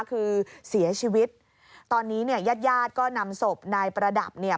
คือเสียชีวิตตอนนี้เนี่ยญาติญาติก็นำศพนายประดับเนี่ย